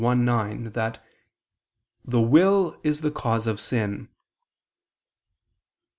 i, 9) that "the will is the cause of sin."